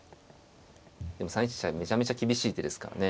でも３一飛車めちゃめちゃ厳しい手ですからね。